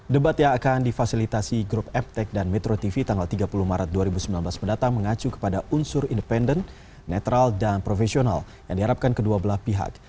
debat yang akan difasilitasi grup eptek dan metro tv tanggal tiga puluh maret dua ribu sembilan belas mendatang mengacu kepada unsur independen netral dan profesional yang diharapkan kedua belah pihak